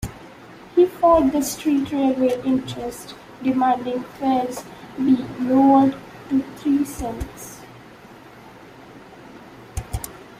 He fought the street railway interest, demanding fares be lowered to three cents.